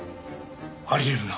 あり得るな。